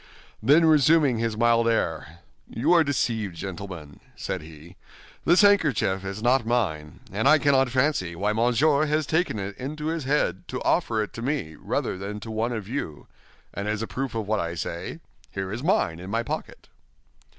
Then, resuming his mild air, "You are deceived, gentlemen," said he, "this handkerchief is not mine, and I cannot fancy why Monsieur has taken it into his head to offer it to me rather than to one of you; and as a proof of what I say, here is mine in my pocket."